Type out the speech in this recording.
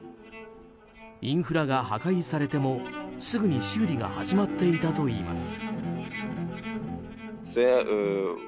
インフラが破壊されてもすぐに修理が始まっていたといいます。